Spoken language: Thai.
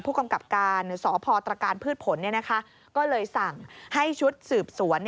ผู้กำกับการสพตรการพืชผลก็เลยสั่งให้ชุดสืบสวน